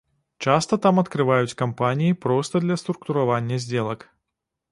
Часта там адкрываюць кампаніі проста для структуравання здзелак.